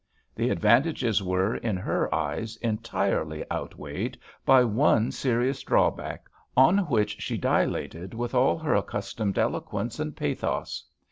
The advantages were, in her eyes, entirely outweighed by one serious drawback, on which she dilated with all her accustomed eloquence and pathos.